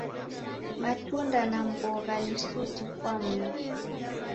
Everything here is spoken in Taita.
Matunda na mbogha ni suti kwa mmbi